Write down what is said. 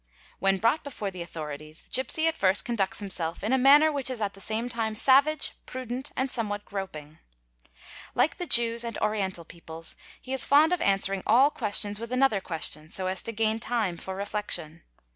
4 When brought before the authorities the gipsy at first conduet himself in a manner which is at the same time savage, prudent, ¢ somewhat groping. Like the Jews and Oriental peoples he is fond of ATTITUDE BEFORE THE AUTHORITIES 373 answering all questions with another question so as to gain time for reflection.